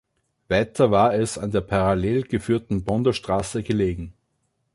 Weiter war es an der parallel geführten Bundesstraße gelegen.